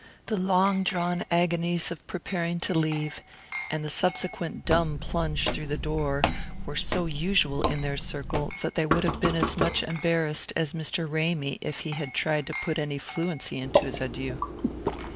The long drawn agonies of preparing to leave, and the subsequent dumb plunge through the door, were so usual in their circle that they would have been as much embarrassed as Mr. Ramy if he had tried to put any fluency into his adieux.